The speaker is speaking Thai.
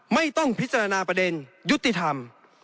ไม่ต้องพิจารณาประเด็นยุติธรรม